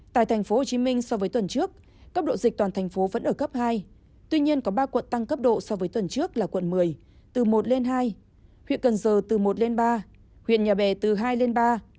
tại tp hcm so với tuần trước cấp độ dịch toàn thành phố vẫn ở cấp hai tuy nhiên có ba quận tăng cấp độ so với tuần trước là quận một mươi từ một lên hai huyện cần giờ từ một lên ba huyện nhà bè từ hai lên ba